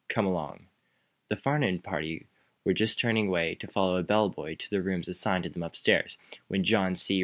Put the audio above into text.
Come along!" The Farnum party were just turning away, to follow a bell boy to the rooms assigned to them upstairs, when John C.